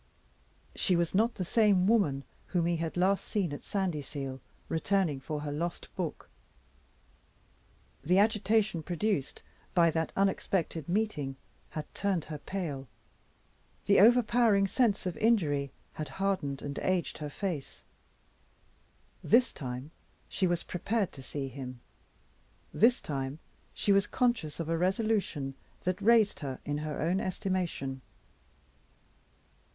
She was not the same woman whom he had last seen at Sandyseal, returning for her lost book. The agitation produced by that unexpected meeting had turned her pale; the overpowering sense of injury had hardened and aged her face. This time, she was prepared to see him; this time, she was conscious of a resolution that raised her in her own estimation.